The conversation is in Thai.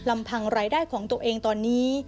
ลำพังรายได้ของตัวเองตอนนี้